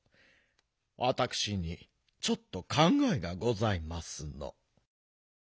わたくしにちょっとかんがえがございますの。